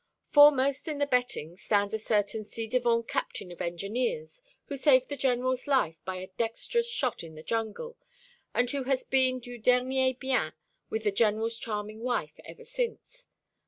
Foremost in the betting stands a certain ci devant captain of Engineers, who saved the General's life by a dexterous shot in the jungle, and who has been du dernier bien with the General's charming wife ever since.